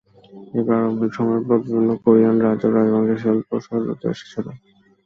এই প্রারম্ভিক সময়ের পর বিভিন্ন কোরিয়ান রাজ্য এবং রাজবংশের শিল্প শৈলী এসেছিল।